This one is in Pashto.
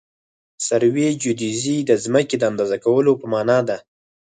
سروي جیودیزي د ځمکې د اندازه کولو په مانا ده